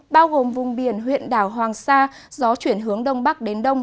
bao gồm vùng biển huyện đảo hoàng sa gió chuyển hướng đông bắc đến đông